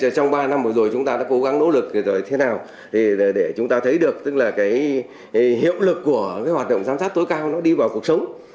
trong ba năm rồi chúng ta đã cố gắng nỗ lực thế nào để chúng ta thấy được hiệu lực của hoạt động giám sát tối cao đi vào cuộc sống